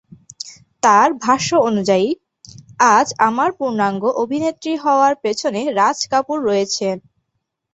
তার ভাষ্য অনুযায়ী, আজ আমার পূর্ণাঙ্গ অভিনেত্রী হবার পেছনে রাজ কাপুর রয়েছেন।